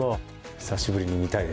久しぶりに見たいですね